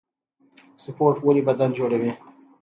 سپورټ ولې بدن جوړوي؟